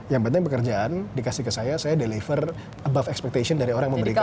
yang penting pekerjaan dikasih ke saya saya deliver above expectation dari orang yang memberikan